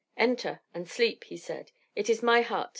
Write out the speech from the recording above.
"Enter and sleep," he said. "It is my hut.